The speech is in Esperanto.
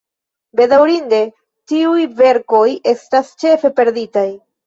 Bedaŭrinde tiuj verkoj estas ĉefe perditaj.